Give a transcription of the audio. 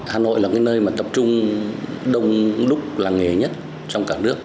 hà nội là cái nơi mà tập trung đông lúc là nghề nhất trong cả nước